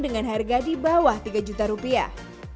dengan harga di bawah tiga juta rupiah